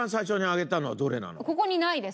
ここにないです。